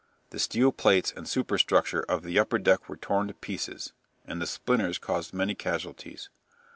The steel plates and superstructure on the upper deck were torn to pieces, and the splinters caused many casualties.